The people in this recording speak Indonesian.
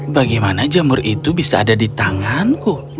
bagaimana jamur itu bisa ada di tanganku